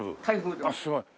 あっすごい。